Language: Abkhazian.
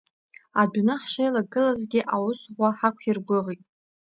Адәны ҳшеилагылазгьы, аус ӷәӷәа ҳақәиргәыӷит.